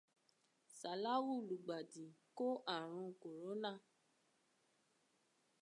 Sàláwù lùgbàdì kó àrùn kòrónà.